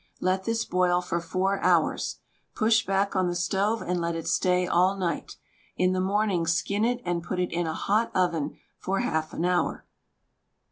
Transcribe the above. Let this boil for four hours. Push back on the stove and let it stay all night. In the morning skin it and put it in a hot oven for half an hour.